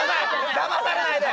だまされないで！